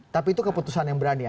tapi itu keputusan yang berani ya